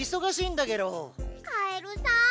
カエルさん